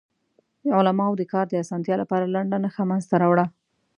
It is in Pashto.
علماوو د کار د اسانتیا لپاره لنډه نښه منځ ته راوړه.